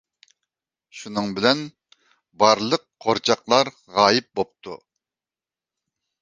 شۇنىڭ بىلەن، بارلىق قورچاقلار غايىب بوپتۇ.